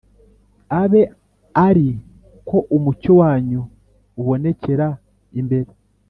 Abe ari ko umucyo wanyu ubonekera imbere